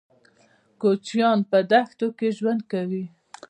کوچيان په دښتو کې ژوند کوي.